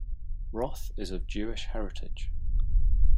Roth is of Jewish heritage.